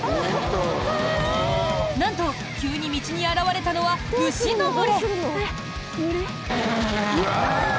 なんと、急に道に現れたのは牛の群れ。